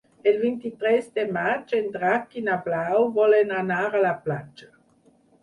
El vint-i-tres de maig en Drac i na Blau volen anar a la platja.